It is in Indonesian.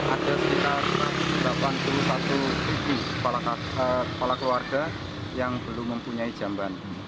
ada sekitar delapan puluh satu buku kepala keluarga yang belum mempunyai jamban